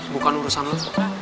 bukan urusan lo